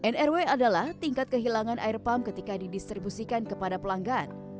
nrw adalah tingkat kehilangan air pump ketika didistribusikan kepada pelanggan